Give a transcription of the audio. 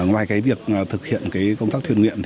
ngoài việc thực hiện công tác thiện nguyện